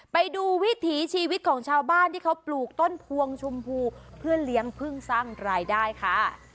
ไปดูวิถีชีวิตของชาวบ้านที่เขาปลูกต้นพวงชมพูเพื่อเลี้ยงพึ่งสร้างรายได้ค่ะ